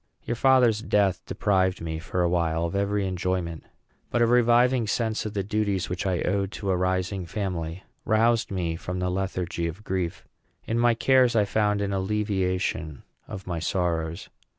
Your father's death deprived me, for a while, of every enjoyment. But a reviving sense of the duties which I owed to a rising family roused me from the lethargy of grief. In my cares I found an alleviation of my sorrows.